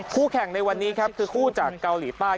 คู่แข่งในวันนี้ครับคือคู่จากเกาหลีใต้